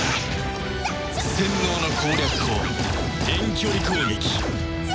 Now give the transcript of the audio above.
洗脳の攻略法遠距離攻撃。